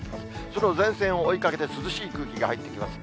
その前線を追いかけて、涼しい空気が入ってきます。